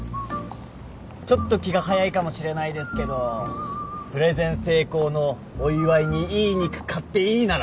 ちょっと気が早いかもしれないですけどプレゼン成功のお祝いにいい肉買っていいなら。